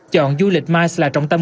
chọn du lịch mais là trọng tâm